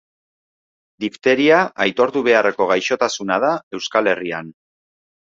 Difteria aitortu beharreko gaixotasuna da Euskal Herrian.